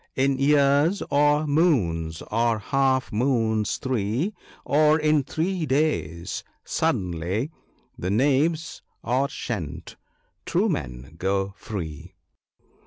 —" In years, or moons, or half moons three, Or in three days — suddenly, The knaves are shent — true men go free."